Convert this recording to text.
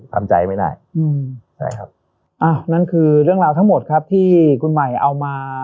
ทำใจไม่ได้อืมใช่ครับอ้าวนั่นคือเรื่องราวทั้งหมดครับที่คุณใหม่เอามา